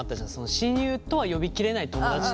親友とは呼び切れない友だち。